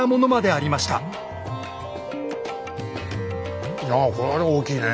ああこれは大きいね。